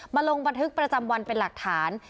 ลงบันทึกประจำวันเป็นหลักฐาน